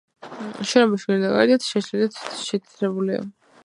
შენობა შიგნიდან და გარედან შელესილი და შეთეთრებულია.